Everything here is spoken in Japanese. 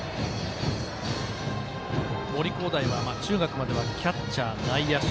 森煌誠は中学まではキャッチャー、内野手。